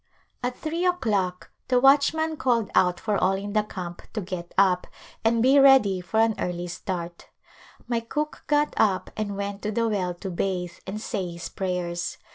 At three o'clock the watchman called out for all in the camp to get up and be ready for an early start. My cook got up and went to the well to bathe and say his prayers.